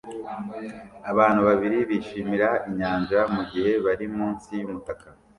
Abantu babiri bishimira inyanja mugihe bari munsi yumutaka